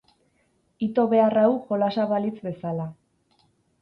Ito behar hau jolasa balitz bezala.